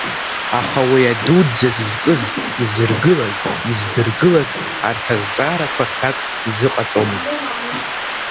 Аха уи адуӡӡа зызкыз, изыргылаз, издыргылаз арҭ азҵаарақәа рҭак изыҟаҵомызт.